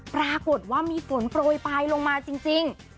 ปรากฏว่ามีฝนโปรยปลายลงมาจริง